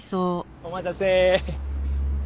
お待たせ。